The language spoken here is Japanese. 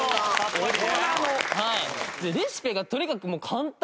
レシピがとにかくもう簡単で。